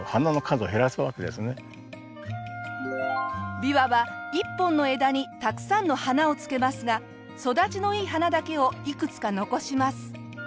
ビワは一本の枝にたくさんの花をつけますが育ちのいい花だけをいくつか残します。